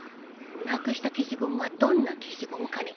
なくした消しゴムはどんな消しゴムかね？